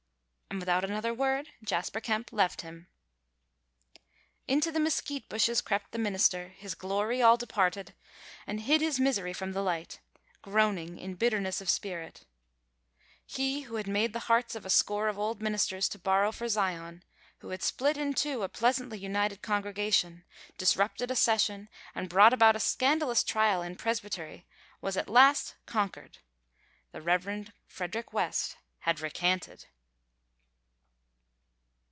And without another word Jasper Kemp left him. Into the mesquite bushes crept the minister, his glory all departed, and hid his misery from the light, groaning in bitterness of spirit. He who had made the hearts of a score of old ministers to sorrow for Zion, who had split in two a pleasantly united congregation, disrupted a session, and brought about a scandalous trial in Presbytery was at last conquered. The Rev. Frederick West had recanted!